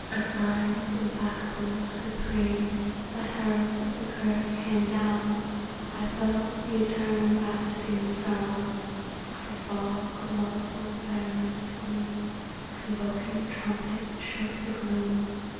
Assigned, implacable, supreme, The heralds of the Curse came down: I felt the eternal bastions' frown; I saw colossal cerements gleam. Convoking trumpets shook the gloom.